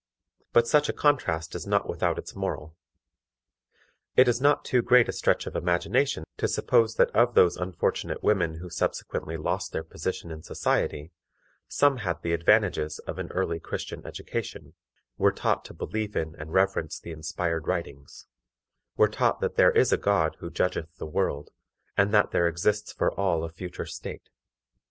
But such a contrast is not without its moral. It is not too great a stretch of imagination to suppose that of those unfortunate women who subsequently lost their position in society, some had the advantages of an early Christian education; were taught to believe in and reverence the Inspired Writings; were taught that there is a God who judgeth the world, and that there exists for all a future state.